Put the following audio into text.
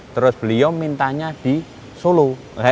terus beliau mintanya di solo